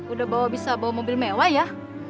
udah bisa bawa mobil mewah ya